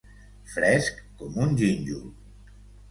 Fresc com un gínjol.